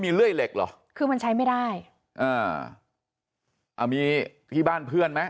เลื่อยเหล็กเหรอคือมันใช้ไม่ได้อ่าอ่ามีที่บ้านเพื่อนไหม